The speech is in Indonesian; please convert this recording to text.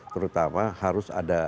terutama harus ada